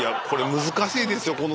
これ難しいですよ